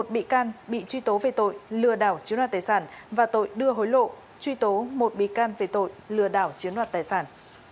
một bị can bị truy tố về tội lừa đảo chiếu nợ tài sản và tội đưa hối lộ truy tố một bị can về tội lừa đảo chiếu nợ tài sản